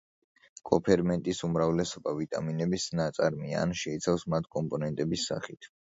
კოფერმენტის უმრავლესობა ვიტამინების ნაწარმია ან შეიცავს მათ კომპონენტების სახით.